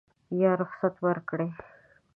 یا رخصت ورکړي.